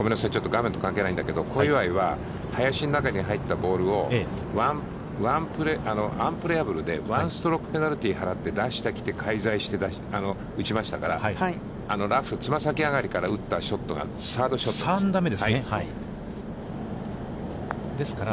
画面と関係ないんだけど、小祝は、林の中に入ったボールをアンプレヤブルで、１ストロークペナルティー払って出して打ちましたから、ラフから打ったショットが３打目です。